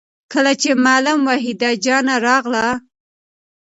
کله چې معلم وحيده جانه راغله